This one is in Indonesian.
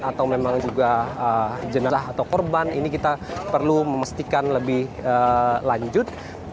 atau memang juga jenazah atau korban ini kita perlu memastikan lebih lanjut